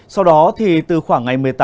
sau đó thì từ khoảng ngày một mươi tám